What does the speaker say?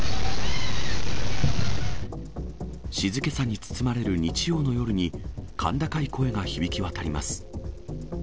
静けさに包まれる日曜の夜に、甲高い声が響き渡ります。